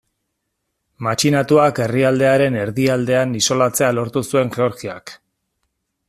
Matxinatuak herrialdearen erdialdean isolatzea lortu zuen Georgiak.